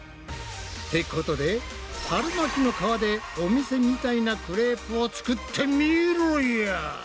ってことで春巻きの皮でお店みたいなクレープを作ってみろや！